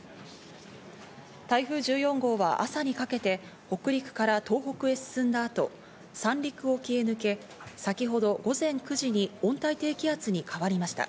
台風１４号は朝にかけて北陸から東北へ進んだ後、三陸沖へ抜け、先ほど午前９時に温帯低気圧に変わりました。